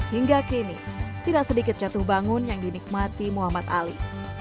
hingga kini tidak sedikit jatuh bangun yang dinikmati muhammad ali